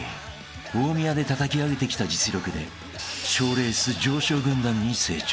［大宮でたたき上げてきた実力で賞レース常勝軍団に成長］